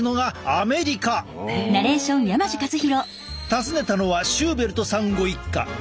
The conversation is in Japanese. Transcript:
訪ねたのはシューベルトさんご一家。